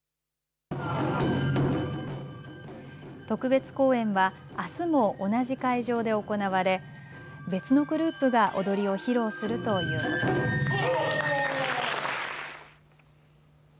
特別公演はあすも同じ会場で行われ別のグループが踊りを披露するということです。